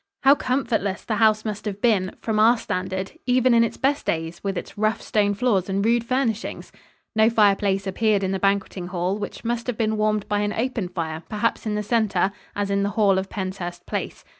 How comfortless the house must have been from our standard even in its best days, with its rough stone floors and rude furnishings! No fireplace appeared in the banqueting hall, which must have been warmed by an open fire, perhaps in the center, as in the hall of Penshurst Place.